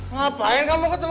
ngapain kamu ketemu